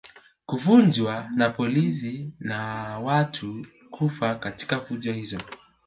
Kuvunjwa na polisi na watu kufa katika fujo hizo